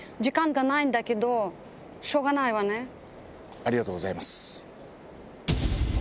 ありがとうございます。